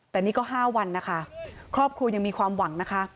แต่นี่ก็๕วันนะคะครอบครัวยังมีความหวังนะคะ